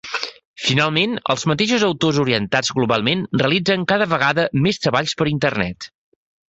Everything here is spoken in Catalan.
Finalment, els mateixos autors orientats globalment realitzen cada vegada més treballs per Internet.